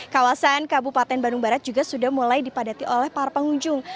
kawasan kabupaten bandung barat juga sudah mulai dipadati oleh para pengunjung